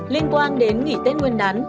liên quan đến nghỉ tết nguyên đán